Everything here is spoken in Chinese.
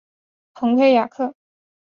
蓬佩雅克。